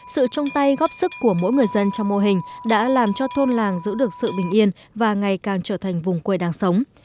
sự trong tay góp sức của mỗi người dân trong mô hình đã làm cho thôn làng giữ được sự bình yên và ngày càng trở thành vùng quê đáng sống